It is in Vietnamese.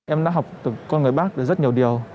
em đã học con người bác được rất nhiều điều